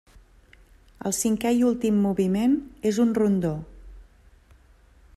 El cinquè i últim moviment és un rondó.